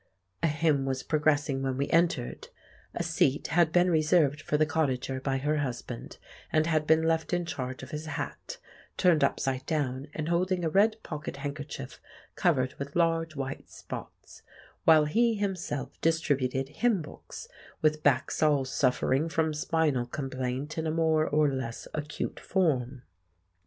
A hymn was progressing when we entered; a seat had been reserved for the cottager by her husband, and had been left in charge of his hat (turned upside down and holding a red pocket handkerchief covered with large white spots), while he himself distributed hymn books with backs all suffering from spinal complaint in a more or less acute form.